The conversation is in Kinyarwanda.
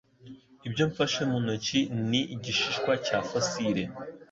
Ibyo mfashe mu ntoki ni igishishwa cya fosile.